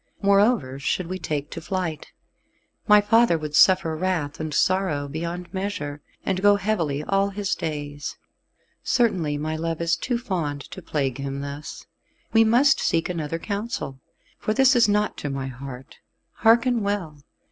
Moreover should we take to flight, my father would suffer wrath and sorrow beyond measure, and go heavily all his days. Certainly my love is too fond to plague him thus, and we must seek another counsel, for this is not to my heart. Hearken well.